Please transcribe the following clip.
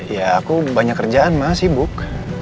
ya aku banyak kerjaan malah sibuk